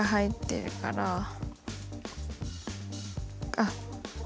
あっ。